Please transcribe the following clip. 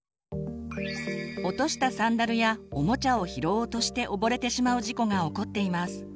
落としたサンダルやおもちゃを拾おうとして溺れてしまう事故が起こっています。